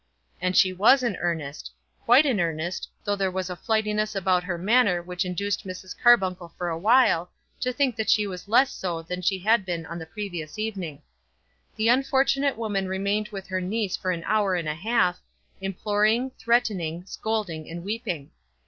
And she was in earnest, quite in earnest, though there was a flightiness about her manner which induced Mrs. Carbuncle for awhile to think that she was less so than she had been on the previous evening. The unfortunate woman remained with her niece for an hour and a half, imploring, threatening, scolding, and weeping.